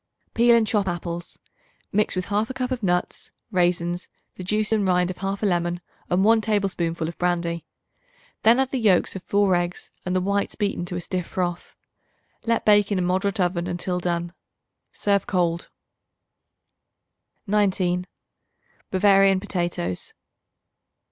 Peel and chop apples; mix with 1/2 cup of nuts, raisins, the juice and rind of 1/2 lemon and 1 tablespoonful of brandy. Then add the yolks of 4 eggs and the whites beaten to a stiff froth. Let bake in a moderate oven until done. Serve cold. 19. Bavarian Potatoes.